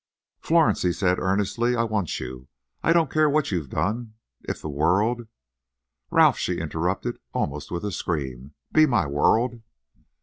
"Florence," he said earnestly, "I want you. I don't care what you've done. If the world—" "Ralph," she interrupted, almost with a scream, "be my world!"